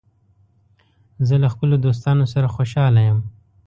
زه له خپلو دوستانو سره خوشاله یم.